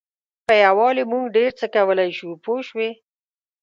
په یووالي موږ ډېر څه کولای شو پوه شوې!.